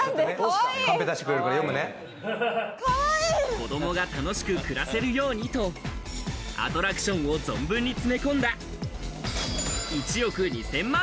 子どもが楽しく暮らせるようにとアトラクションを存分に詰め込んだ１億２０００万